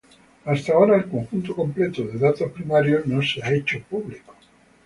Hasta ahora, el conjunto completo de datos primarios no se ha hecho público.